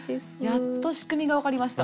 やっと仕組みが分かりました。